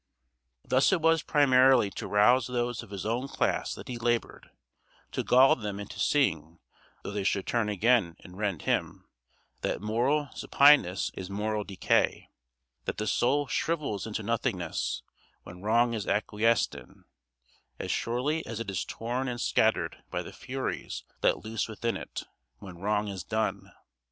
Thus it was primarily to rouse those of his own class that he labored, to gall them into seeing (though they should turn again and rend him) that moral supineness is moral decay, that the soul shrivels into nothingness when wrong is acquiesced in, as surely as it is torn and scattered by the furies let loose within it, when wrong is done.